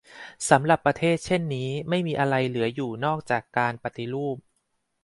สำหรับประเทศเช่นนี้ไม่มีอะไรเหลืออยู่นอกจากการปฏิรูป